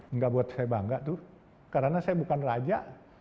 enggak buat saya bangga tuh karena saya bukan raja